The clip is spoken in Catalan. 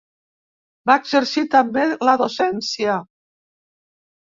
Va exercir també la docència.